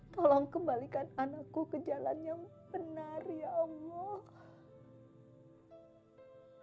tolong kembalikan anakku ke jalan yang benar ya allah